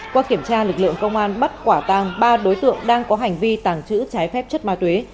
qua kiểm tra lực lượng công an bắt quả tàng ba đối tượng đang có hành vi tàng trữ trái phép chất ma túy